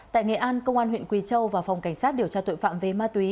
tại nghệ an công an huyện quỳ châu và phòng cảnh sát điều tra tội phạm về ma túy